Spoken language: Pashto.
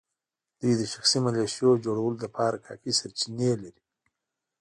دوی د شخصي ملېشو جوړولو لپاره کافي سرچینې لري.